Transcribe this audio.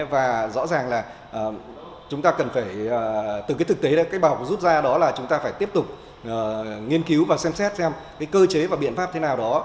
và rõ ràng là chúng ta cần phải từ cái thực tế đó cái bảo vụ rút ra đó là chúng ta phải tiếp tục nghiên cứu và xem xét xem cái cơ chế và biện pháp thế nào đó